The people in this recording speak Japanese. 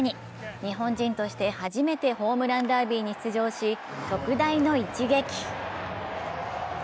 日本人として初めてホームランダービーに出場し特大の一撃。